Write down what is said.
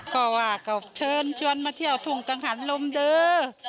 ก็ว่าก็เชิญชวนมาเที่ยวทุ่งกังหันลมเด้อ